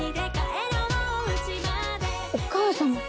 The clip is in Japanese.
お母様。